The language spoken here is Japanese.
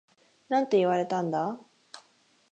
なんて言われたんだ？